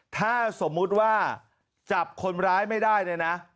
ถ้าสมมุติว่าจับคนร้ายไม่ได้เนี่ยนะ